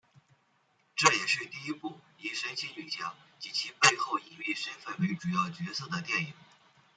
这也是第一部以神奇女侠及其背后隐秘身份为主要角色的电影。